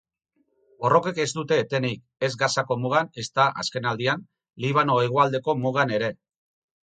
Borrokek ez dute etenik, ez Gazako mugan, ezta, azken aldian, Libano hegoaldeko mugan ere.